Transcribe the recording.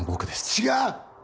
違う！